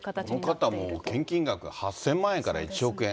この方もう、献金額が８０００万円から１億円。